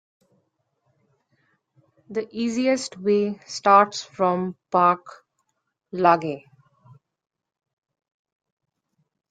The easiest way starts from Park Lage.